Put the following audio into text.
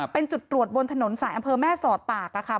เป็นจุดตรวจบนถนนสายอำเภอแม่สอดตากค่ะ